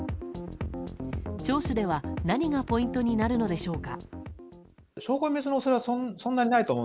聴取では何がポイントになるのでしょうか。